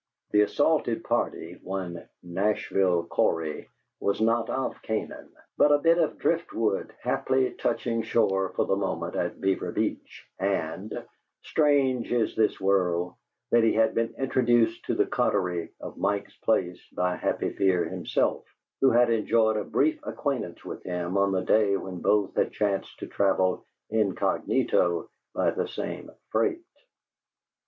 The assaulted party, one "Nashville" Cory, was not of Canaan, but a bit of drift wood haply touching shore for the moment at Beaver Beach; and strange is this world he had been introduced to the coterie of Mike's Place by Happy Fear himself, who had enjoyed a brief acquaintance with him on a day when both had chanced to travel incognito by the same freight.